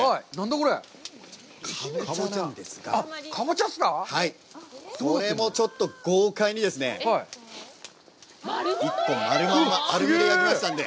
これもちょっと豪快にですね、１個丸まんま焼きましたので。